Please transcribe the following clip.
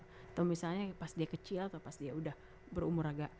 atau misalnya pas dia kecil atau pas dia udah berumur agak gede